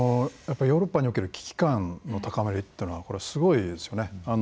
やっぱりヨーロッパにおける危機感の高まりというのはこれは、すごいですよね。